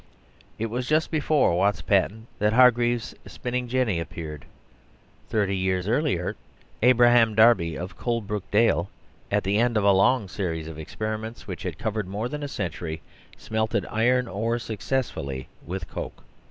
It was just be fore Watt's patent that Hargreaves' spinning jenny appeared. Thirty years earlier, Abraham Darby of Colebrook Dale, at the end of a long series of experi 69 THE SERVILE STATE merits which had covered morethanacentury, smelted iron ore successfully with coke.